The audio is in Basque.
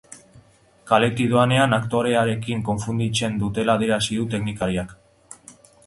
Kaletik doanean aktorearekin konfundintzen dutela adierazi du teknikariak.